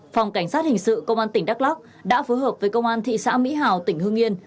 phòng cảnh sát hình sự công an tỉnh đắk lắc đã phối hợp với công an thị xã mỹ hào tỉnh hương yên